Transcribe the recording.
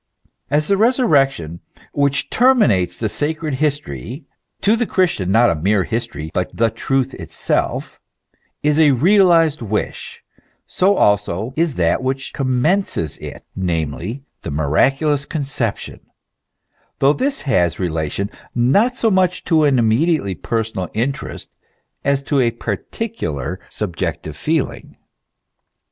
As the Resurrection, which terminates the sacred history, (to the Christian not a mere history, but the truth itself,) is a realized wish, so also is that which commences it, namely, the Miraculous Conception, though this has relation not so much to an immediately personal interest as to a particular subjective feeling.